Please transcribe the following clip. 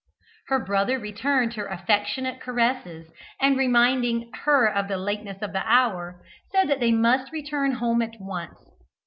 The brother returned her affectionate caresses, and reminding her of the lateness of the hour, said that they must return home at once.